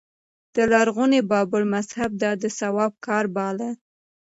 د لرغوني بابل مذهب دا د ثواب کار باله